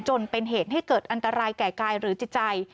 จนเป็นเหตุให้เกิดอันตรายแก่กายหรือจิตใจ